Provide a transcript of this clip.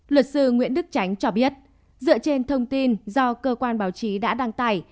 luật sư nguyễn đức tránh cho biết dựa trên thông tin do cơ quan báo chí đã đăng tải